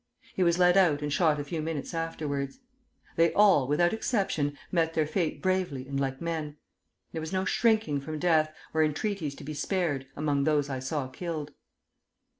He was led out and shot a few minutes afterwards. They all, without exception, met their fate bravely and like men. There was no shrinking from death, or entreaties to be spared, among those I saw killed.